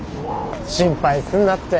心配すんなって。